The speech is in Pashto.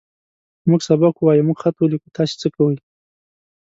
موږ سبق ووايه. موږ خط وليکو. تاسې څۀ کوئ؟